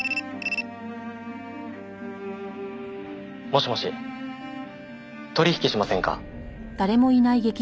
「もしもし」「取引しませんか？」